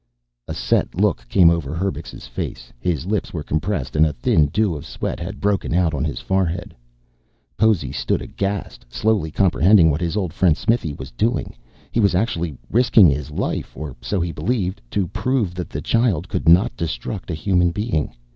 A set look came over Herbux's face. His lips were compressed and a thin dew of sweat had broken out on his forehead. Possy stood aghast, slowly comprehending what his old friend Smithy was doing. He was actually risking his life or so he believed to prove that the child could not destruct a human being.